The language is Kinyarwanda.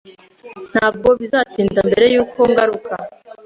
Ntabwo bizatinda mbere yuko ngaruka.